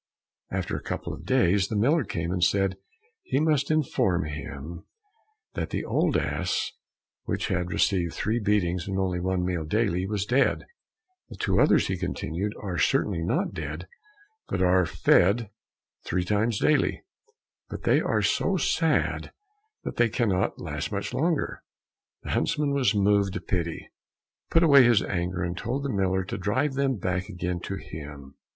After a couple of days, the miller came and said he must inform him that the old ass which had received three beatings and only one meal daily was dead; "the two others," he continued, "are certainly not dead, and are fed three times daily, but they are so sad that they cannot last much longer." The huntsman was moved to pity, put away his anger, and told the miller to drive them back again to him.